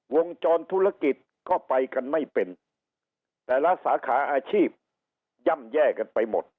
วงจรธุรกิจก็ไปกันไม่เป็นแต่ละสาขาอาชีพย่ำแย่กันไปหมด